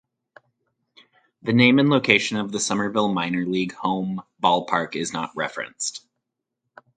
The name and location of the Somerville minor league home ballpark is not referenced.